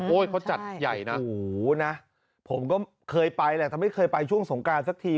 เขาจัดใหญ่นะโอ้โหนะผมก็เคยไปแหละแต่ไม่เคยไปช่วงสงการสักที